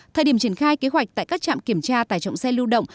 thời điểm triển khai kế hoạch tại các trạm kiểm tra tải trọng xe lưu động